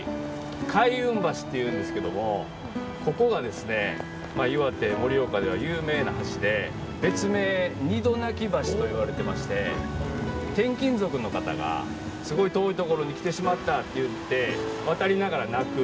開運橋っていうんですけどここが岩手・盛岡では有名な橋で別名、二度泣き橋といわれていまして転勤族の方がすごい遠いところに来てしまったと言って渡りながら泣く